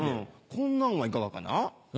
こんなんはいかがかな。